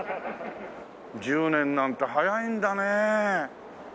１０年なんて早いんだねえ。